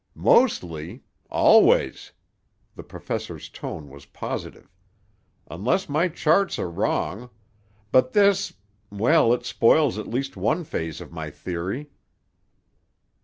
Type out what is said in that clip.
"Mostly? Always." The professor's tone was positive. "Unless my charts are wrong. But this—well, it spoils at least one phase of my theory."